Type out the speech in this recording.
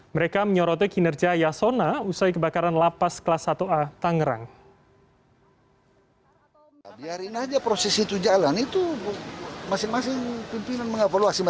mereka menyoroti kinerja yasona usai kebakaran lapas kelas satu a tangerang